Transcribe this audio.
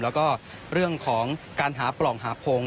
แล้วก็เรื่องของการหาปล่องหาโพง